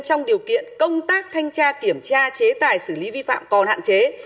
trong điều kiện công tác thanh tra kiểm tra chế tài xử lý vi phạm còn hạn chế